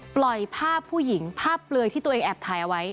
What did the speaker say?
ปล่อยภาพผู้หญิงภาพเปลือยที่ตัวเองแอบถ่ายเอาไว้